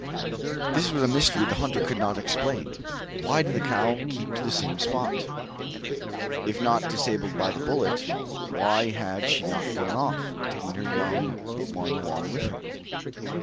This was a mystery the hunter could not explain. Why did the cow keep to the same spot? If not disabled by the bullet, why had she not gone off, taking her young one along with her?